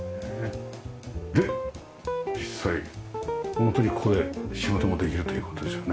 で実際ホントにここで仕事もできるという事ですよね。